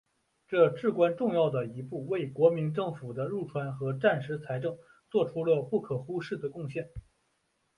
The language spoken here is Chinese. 这至关重要一步为国民政府的入川和战时财政作出了不可忽视的贡献。